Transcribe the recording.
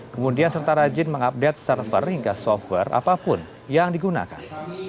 kemudian serta rajin mengupdate server hingga software apapun yang digunakan